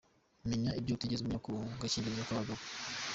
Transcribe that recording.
Menya ibyo utigeze umenya ku gakingirizo k’abagabo.